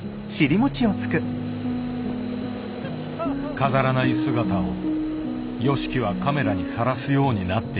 飾らない姿をＹＯＳＨＩＫＩはカメラにさらすようになっていた。